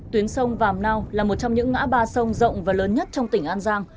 tuyến sông vàm nao là một trong những ngã ba sông rộng và lớn nhất trong tỉnh an giang